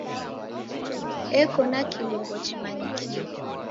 Eko na kilungo chimanyikie.